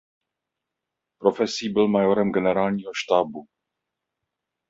Profesí byl majorem generálního štábu.